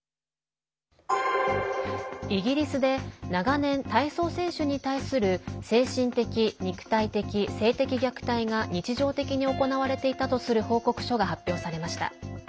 イギリスで長年体操選手に対する精神的、肉体的、性的虐待が日常的に行われていたとする報告書が発表されました。